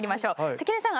関根さん